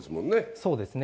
そうですね。